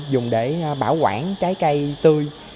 dùng để bảo quản trái cây tươi